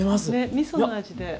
みその味で。